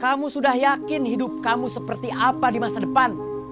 kamu sudah yakin hidup kamu seperti apa di masa depan